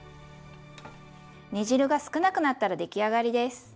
煮汁が少なくなったら出来上がりです。